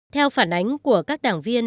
theo phản ánh của các đảng viên